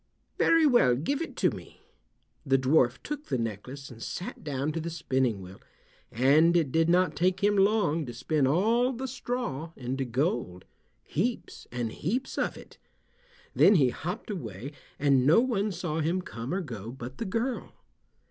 "Very well, give it to me." The dwarf took the necklace and sat down to the spinning wheel, and it did not take him long to spin all the straw into gold—heaps and heaps of it. Then he hopped away, and no one saw him come or go but the girl.